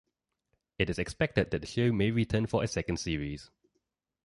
It is expected that the show may return for a second series.